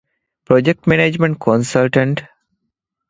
ޕްރޮޖެކްޓް މެނޭޖްމަންޓް ކޮންސަލްޓަންޓް